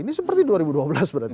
ini seperti dua ribu dua belas berarti